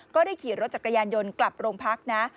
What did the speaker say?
ก็ได้ขี่รถจักรยานยนต์กลับโรงพักนะ